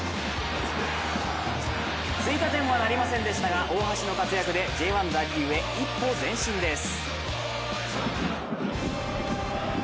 追加点はなりませんでしたが大橋の活躍でＪ１残留へ一歩前進です。